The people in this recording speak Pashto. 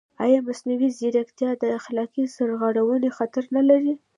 ایا مصنوعي ځیرکتیا د اخلاقي سرغړونې خطر نه لري؟